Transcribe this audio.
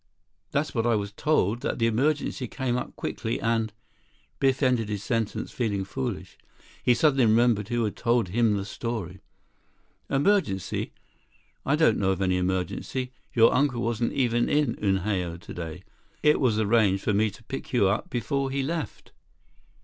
That's what I was told, that the emergency came up quickly and—" Biff ended his sentence feeling foolish. He suddenly remembered who had told him the story. "Emergency? I don't know of any emergency. Your uncle wasn't even in Unhao today. It was arranged for me to pick you up before he left."